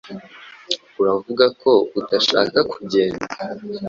Uravuga ko udashaka kugenda?